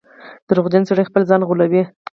• دروغجن سړی خپل ځان غولوي.